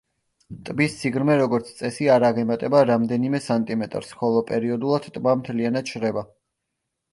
ტბის სიღრმე, როგორც წესი, არ აღემატება რამდენიმე სანტიმეტრს, ხოლო პერიოდულად ტბა მთლიანად შრება.